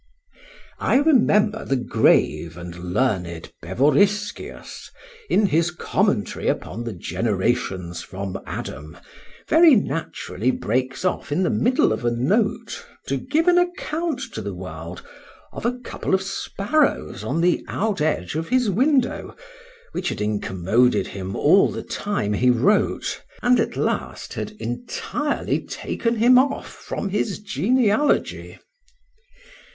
I remember the grave and learned Bevoriskius, in his Commentary upon the Generations from Adam, very naturally breaks off in the middle of a note to give an account to the world of a couple of sparrows upon the out edge of his window, which had incommoded him all the time he wrote, and at last had entirely taken him off from his genealogy.